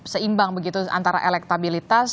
seimbang begitu antara elektabilitas